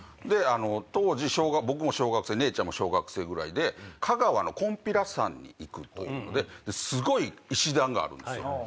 当時僕も小学生姉ちゃんも小学生ぐらいで。に行くということですごい石段があるんですよ。